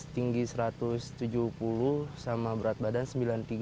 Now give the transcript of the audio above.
tinggi satu ratus tujuh puluh sama berat badan sembilan puluh tiga